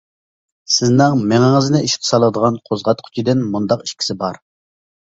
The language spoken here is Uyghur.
سىزنىڭ مېڭىڭىزنى ئىشقا سالىدىغان قوزغاتقۇچىدىن مۇنداق ئىككىسى بار.